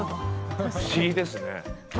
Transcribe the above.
不思議ですね。